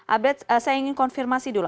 abed saya ingin konfirmasi dulu